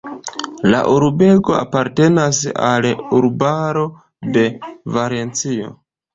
La urbego apartenas al urbaro de Valencio.